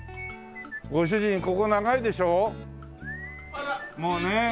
ご主人ここ長いでしょ？